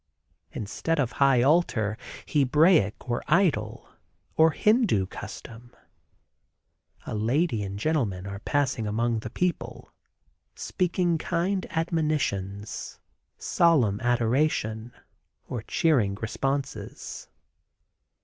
Instead of high altar, Hebraic, or idol, or Hindoo custom, a lady and gentlemen are passing among the people, speaking kind admonitions, solemn adoration, or cheering responses.